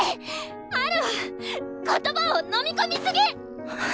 ハルは言葉を飲み込みすぎ！